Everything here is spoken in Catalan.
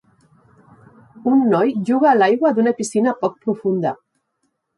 Un noi juga a l'aigua d'una piscina poc profunda.